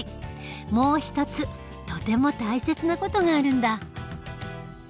もう一つとても大切な事があるんだ。